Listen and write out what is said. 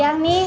udah siang nih